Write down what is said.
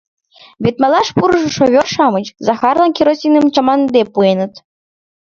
Вет малаш пурышо шофёр-шамыч Захарлан керосиным чаманыде пуэныт.